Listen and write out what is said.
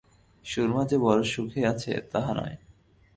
সুরমা যে বড় সুখে আছে তাহা নয়।